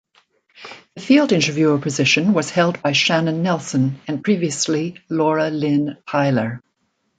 The field interviewer position was held by Shannon Nelson, and previously Laura-Lynn Tyler.